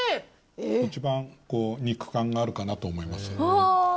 一番肉感があるかなと思います。